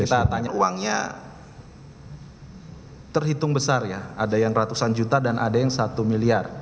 kita tanya uangnya terhitung besar ya ada yang ratusan juta dan ada yang satu miliar